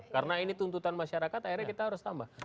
karena ini tuntutan masyarakat akhirnya kita harus tambah